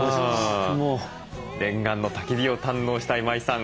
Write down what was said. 念願のたき火を堪能した今井さん。